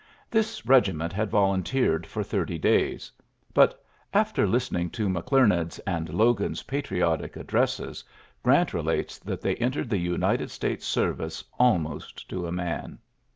This regiment had volunteered for thirty days 5 but, after listening to McGlemand's and Logan's patriotic ad dresses. Grant relates that they entered the United •States service almost to a man.